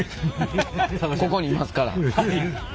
ここにいますから。